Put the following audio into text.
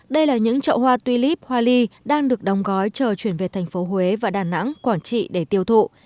đây là những trậu hoa tuy líp hoa ly đang được đóng gói chờ chuyển về thành phố huế và đà nẵng quảng trị để tiêu thụ